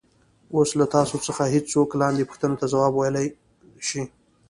اوس له تاسو څخه څوک لاندې پوښتنو ته ځواب ویلای شي.